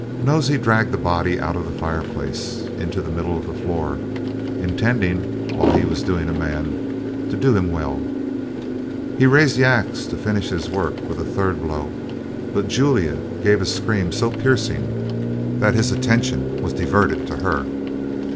Nosey dragged the body out of the fireplace into the middle of the floor, intending, while he was doing a man, to do him well. He raised the axe to finish his work with a third blow, but Julia gave a scream so piercing that his attention was diverted to her.